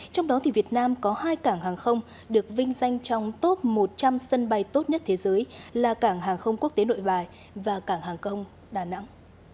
trong đó việt nam có hai cảng hàng không được vinh danh trong top một trăm linh sân bay tốt nhất thế giới là cảng hàng không quốc tế nội bài và cảng hàng công đà nẵng